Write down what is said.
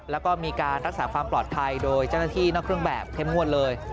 แล้วก็มีการรักษาความปลอดภัยโดยเจ้าหน้าที่นอกเครื่องแบบเข้มงวดเลย